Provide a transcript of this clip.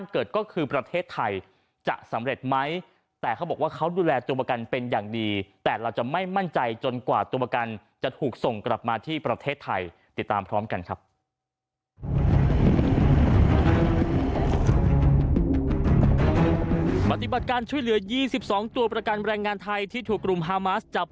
คือประเทศไทยจะสำเร็จไหมแต่เขาบอกว่าเขาดูแลตัวประกันเป็นอย่างดีแต่เราจะไม่มั่นใจจนกว่าตัวประกันจะถูกส่งกลับมาที่ประเทศไทยติดตามพร้อมกันครับ